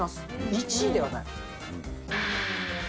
１位ではない。